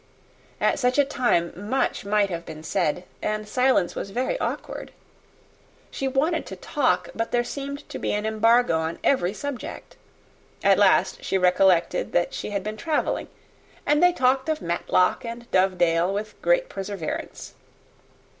At such a time much might have been said, and silence was very awkward. She wanted to talk, but there seemed an embargo on every subject. At last she recollected that she had been travelling, and they talked of Matlock and Dovedale with great perseverance.